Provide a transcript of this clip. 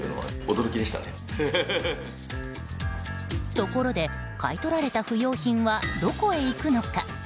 ところで買い取られた不用品はどこへいくのか。